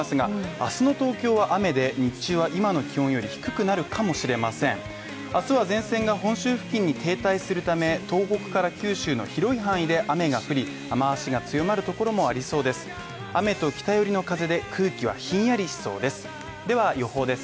あとは前線が本州付近に停滞するため、東北から九州の広い範囲で雨が降り、雨脚が強まるところもありそうです。